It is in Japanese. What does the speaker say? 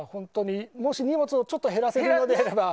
もし荷物をちょっと減らせるのなら。